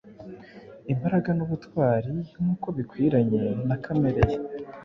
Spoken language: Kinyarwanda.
Imbaraga nubutwarinkuko bikwiranye na kamere ye